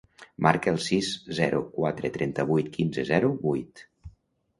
Marca el sis, zero, quatre, trenta-vuit, quinze, zero, vuit.